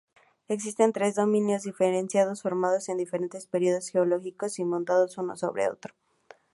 Existen tres dominios diferenciados formados en diferentes periodos geológicos y montados uno sobre otro.